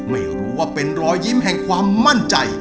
ไม่รู้ว่าเป็นรอยยิ้มแห่งความมั่นใจ